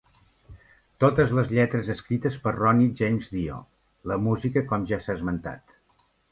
Totes les lletres escrites per Ronnie James Dio; la música com ja s'ha esmentat.